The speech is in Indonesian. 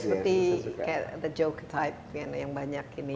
jadi kayak the joker type yang banyak ini